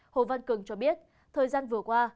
hồ văn cường cho biết thời gian vừa qua